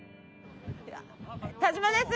田島です。